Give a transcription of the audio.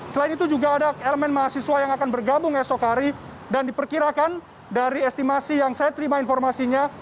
selain itu juga ada elemen mahasiswa yang akan bergabung esok hari dan diperkirakan dari estimasi yang saya terima informasinya